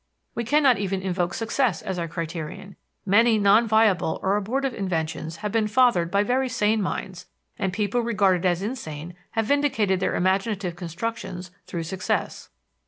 We cannot even invoke success as a criterion. Many non viable or abortive inventions have been fathered by very sane minds, and people regarded as insane have vindicated their imaginative constructions through success.